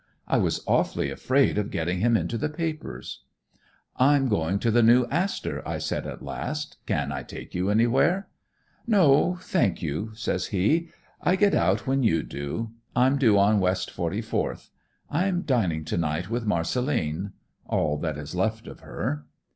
I was awfully afraid of getting him into the papers. "'I'm going to the New Astor,' I said at last. 'Can I take you anywhere?' "'No, thank you,' says he. 'I get out when you do. I'm due on West 44th. I'm dining to night with Marcelline all that is left of her!'